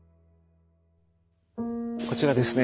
こちらですね。